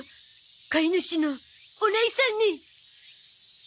飼い主のおねいさんに！